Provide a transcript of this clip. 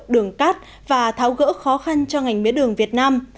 đường cát và tháo gỡ khó khăn cho ngành mía đường việt nam